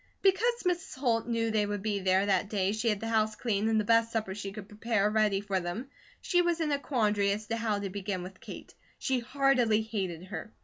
Because Mrs. Holt knew they would be there that day she had the house clean and the best supper she could prepare ready for them. She was in a quandary as to how to begin with Kate. She heartily hated her.